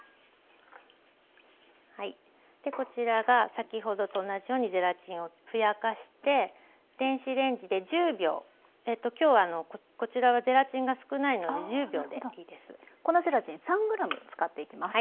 でこちらが先ほどと同じようにゼラチンをふやかして電子レンジで１０秒今日はあのこちらはゼラチンが少ないので１０秒でいいです。